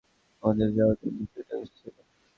মন্দিরে যাওয়ার দিন থেকে এটা খুঁজছিলাম!